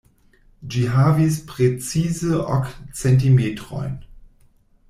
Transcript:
Ĝi havis precize ok centimetrojn!